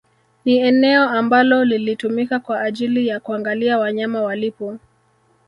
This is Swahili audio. Ni eneo ambalo lilitumika kwa ajili ya kuangalia wanyama walipo